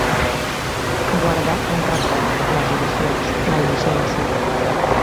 Guardar un record, les il·lusions, la innocència.